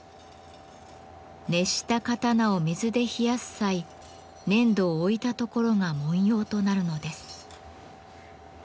熱した刀を水で冷やす際粘土を置いた所が文様となるのです。